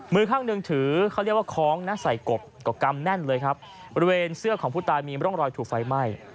มือข้างหนึ่งถือเขาเรียกว่าคล้องนะใส่กบก็กำแน่นเลยครับบริเวณเสื้อของผู้ตายมีร่องรอยถูกไฟไหม้